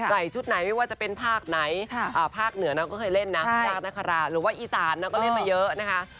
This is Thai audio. ชุดไหนไม่ว่าจะเป็นภาคไหนภาคเหนือนางก็เคยเล่นนะภาคนคราหรือว่าอีสานนางก็เล่นมาเยอะนะคะ